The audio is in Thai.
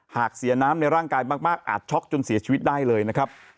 หากเสียน้ำในร่างกายมากอาจช็อกจนเสียชีวิตได้เลยนะครับ